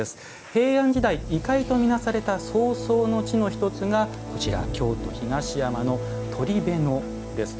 平安時代、異界とみなされた葬送の地の１つが京都・東山の鳥辺野です。